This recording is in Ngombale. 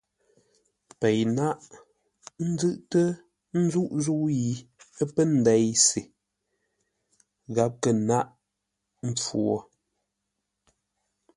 Pei náʼ, ə́ nzʉ́ʼtə́ ńzúʼ zə̂u yi ə́ pə́ ndei se!” Gháp kə̂ nâʼ mpfu wo.